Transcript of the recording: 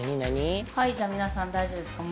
じゃあ皆さん大丈夫ですか？